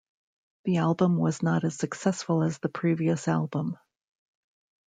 The album was not as successful as the previous album.